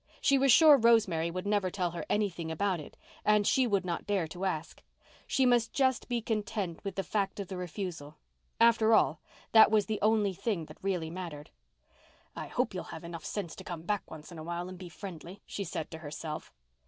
She was sure Rosemary would never tell her anything about it and she would not dare to ask. She must just be content with the fact of the refusal. After all, that was the only thing that really mattered. "I hope he'll have sense enough to come back once in a while and be friendly," she said to herself.